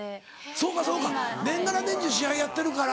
そうかそうか年がら年中試合やってるから。